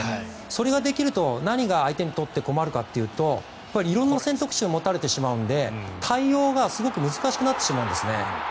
それができると何が相手にとって困るかというと色んな選択肢を持たれてしまうので対応がすごく難しくなってしまうんですね。